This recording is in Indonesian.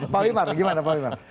pak wimar gimana pak wimar